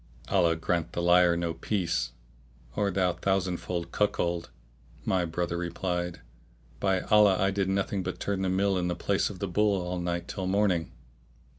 "Allah grant the liar no peace, O thou thousandfold cuckold!", my brother replied, "by Allah, I did nothing but turn the mill in the place of the bull all night till morning!"